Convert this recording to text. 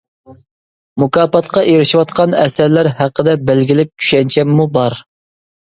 مۇكاپاتقا ئېرىشىۋاتقان ئەسەرلەر ھەققىدە بەلگىلىك چۈشەنچەممۇ بار.